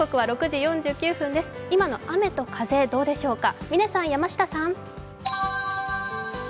今の雨と風、どうでしょうか？